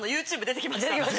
出てきました？